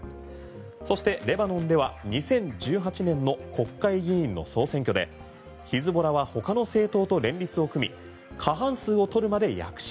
そしてレバノンでは２０１８年の国会議員の総選挙でヒズボラは他の政党と連立を組み過半数を取るまで躍進。